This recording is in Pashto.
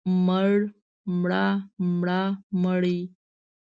مړ، مړه، مړه، مړې.